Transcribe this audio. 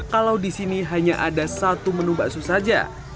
kalau di sini hanya ada satu menu bakso saja